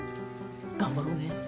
頑張ろうね。